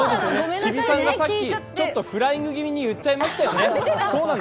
日比さんがさっきフライング気味に言っちゃいましたよね。